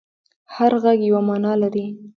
هر غږ یوه معنی لري.